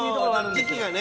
時季がね。